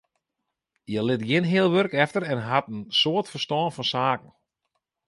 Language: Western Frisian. Hja lit gjin heal wurk efter en hat in soad ferstân fan saken.